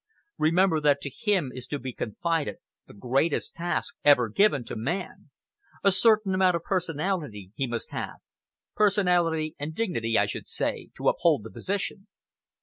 Remember that to him is to be confided the greatest task ever given to man. A certain amount of personality he must have personality and dignity, I should say, to uphold the position."